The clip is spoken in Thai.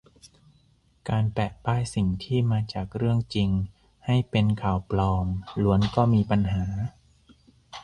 การแปะป้ายสิ่งที่"มาจากเรื่องจริง" ให้เป็นข่าวปลอมล้วนก็มีปัญหา